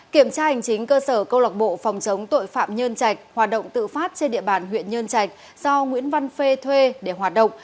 kiểm tra hành chính cơ sở câu lọc bộ phòng chống tội phạm nhân trạch hoạt động tự phát trên địa bàn huyện nhân trạch do nguyễn văn phê thuê để hoạt động